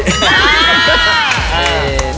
ได้